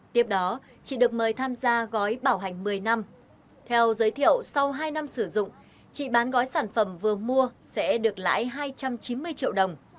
tiếp đó chị được mời tham gia gói bảo hành một mươi năm theo giới thiệu sau hai năm sử dụng chị bán gói sản phẩm vừa mua sẽ được lãi hai trăm chín mươi triệu đồng